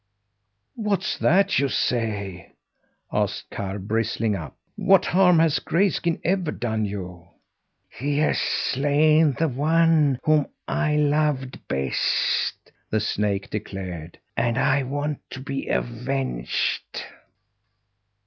"What's that you say?" asked Karr, bristling up. "What harm has Grayskin ever done you?" "He has slain the one whom I loved best," the snake declared, "and I want to be avenged."